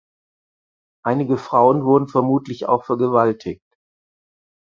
Einige Frauen wurden vermutlich auch vergewaltigt.